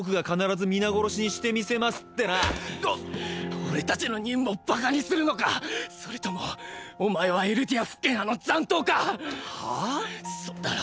俺たちの任務をバカにするのか⁉それともお前はエルディア復権派の残党か⁉は⁉そうだろ！！